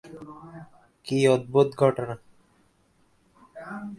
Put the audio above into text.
কী অদ্ভুত ঘটনা!